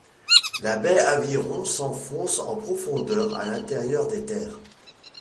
La baie Aviron s'enfonce en profondeur à l'intérieur des terres.